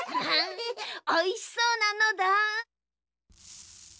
おいしそうなのだ。